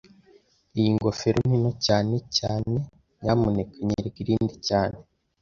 Iyi ngofero ni nto cyane cyane Nyamuneka nyereka irindi cyane